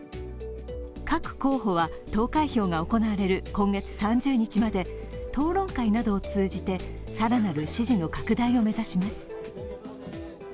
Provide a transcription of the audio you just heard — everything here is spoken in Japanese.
各候補は投開票が行われる今月３０日まで討論会などを通じて更なる支持の拡大を目指します。